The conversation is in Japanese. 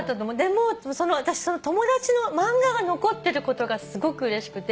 その友達の漫画が残ってることがすごくうれしくて。